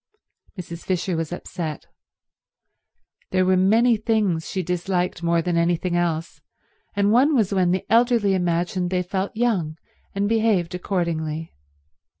Mrs. Fisher was upset. There were many things she disliked more than anything else, and one was when the elderly imagined they felt young and behaved accordingly.